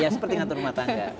ya seperti ngatur rumah tangga